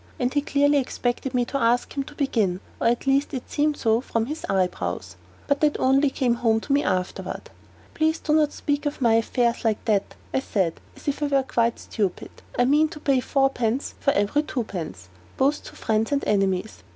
And he clearly expected me to ask him to begin; or at least it seemed so from his eyebrows. But that only came home to me afterward. "Please not to speak of my affairs like that," I said, as if I were quite stupid; "I mean to pay fourpence for every twopence both to friends and enemies."